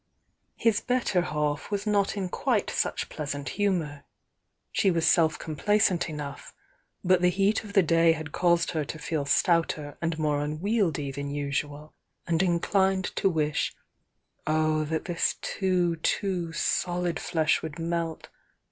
His better half was not in quite such pleasant humour; she was self complacent enough, but the heat of the day had caused her to feel stouter and more unwieldy than usual, and inclined to wish: "Oh, that this too, too solid flesh would melt.